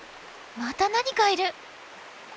また何かいる！